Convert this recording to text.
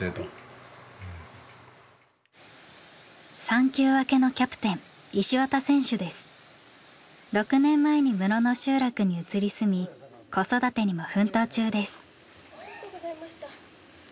産休明けのキャプテン６年前に室野集落に移り住み子育てにも奮闘中です。